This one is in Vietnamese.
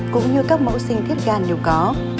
cũng như các mẫu sinh thiết gan nhiều có